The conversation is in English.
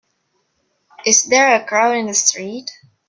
Is there a crowd in the street?